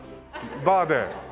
バーで。